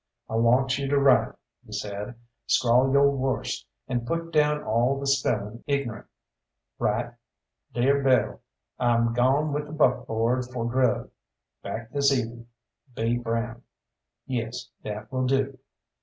"I want you to write," he said; "scrawl yo' worst, and put down all the spellin' ignorant. Write: 'Dere Bill, I'm gawn with the buckboard for grub. Back this even.' B. Brown.' Yes, that will do."